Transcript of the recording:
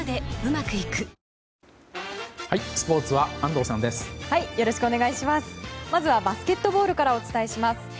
まずはバスケットボールからお伝えします。